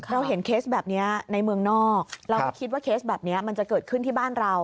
เราเห็นเคสแบบนี้ในเมืองนอกเราไม่คิดว่าเคสแบบนี้มันจะเกิดขึ้นที่บ้านเรา